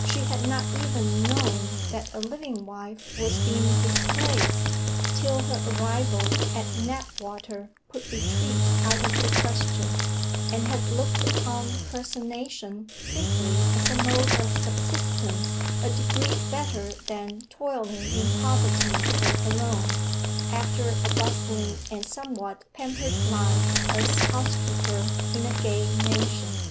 She had not even known that a living wife was being displaced till her arrival at Knapwater put retreat out of the question, and had looked upon personation simply as a mode of subsistence a degree better than toiling in poverty and alone, after a bustling and somewhat pampered life as housekeeper in a gay mansion.